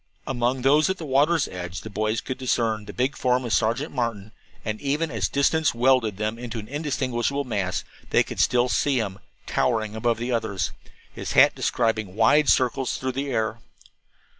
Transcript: Among those at the water's edge the boys could discern the big form of Sergeant Martin, and even as distance welded them in an indistinguishable mass, they could still see him, towering above the others, his hat describing wide circles through the air.